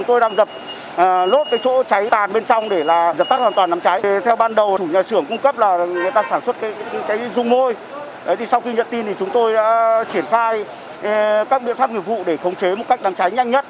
tôi đã triển khai các biện pháp nghiệp vụ để khống chế một cách đám cháy nhanh nhất